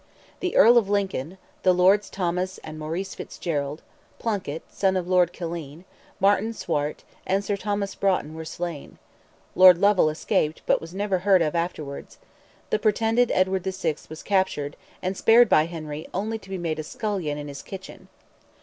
The Earl of Lincoln, the Lords Thomas and Maurice Fitzgerald, Plunkett, son of Lord Killeen, Martin Swart, and Sir Thomas Broughton were slain; Lord Lovell escaped, but was never heard of afterwards; the pretended Edward VI. was captured, and spared by Henry only to be made a scullion in his kitchen.